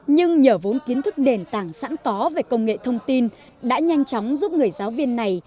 nhưng nhờ vốn kiến thức nền tảng sẵn có về công nghệ thông tin đã nhanh chóng giúp người giáo viên này